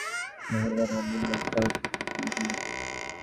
Digital ছবির নামে আমাদের দেশে এখন নিম্ন বাজেটের অসংখ্য ছবি নির্মিত হচ্ছে।